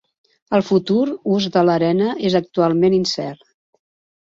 El futur ús del arena és actualment incert.